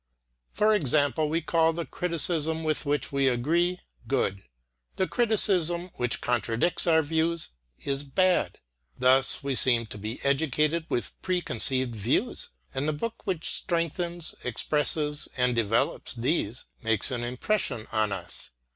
For example, we call the criticism with which we agree good; the criticism which contradicts our views is bad. Thus we seem to be educated with preconceived views, and the book which strengthens, expresses and develops these makes an impression on us.